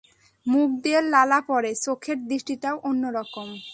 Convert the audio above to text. মুখ দিয়ে লালা পড়ে, চোখের দৃষ্টিটাও অন্য রকম।